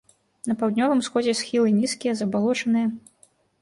На паўднёвым усходзе схілы нізкія, забалочаныя.